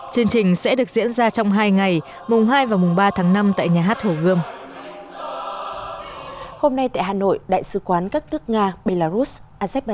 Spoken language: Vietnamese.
chương trình sẽ được diễn ra trong hai ngày mùng hai và mùng ba tháng năm tại nhà hát hồ gươm